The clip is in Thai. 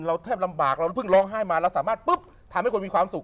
แทบลำบากเราเพิ่งร้องไห้มาเราสามารถปุ๊บทำให้คนมีความสุข